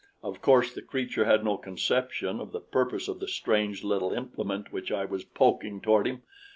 Of course the creature had no conception of the purpose of the strange little implement which I was poking toward him.